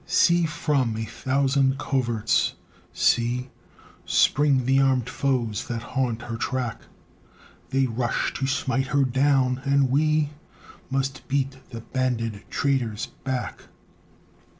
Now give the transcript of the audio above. See, from a thousand coverts see, Spring the armed foes that haunt her track; They rush to smite her down, and we Must beat the banded traitors back.